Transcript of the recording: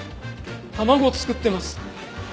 卵作ってます。